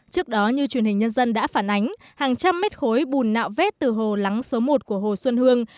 trước đó như truyền hình nhân dân đã phản ánh hàng trăm mét khối bùn nạo vét từ hồ lắng số một của hồ xuân hương